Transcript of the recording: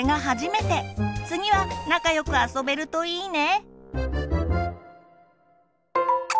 次は仲良く遊べるといいね！